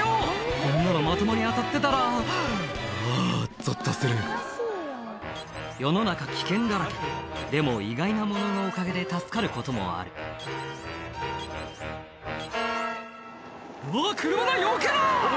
あんなのまともに当たってたらあぁぞっとする世の中危険だらけでも意外なもののおかげで助かることもあるうわ車だよけろ！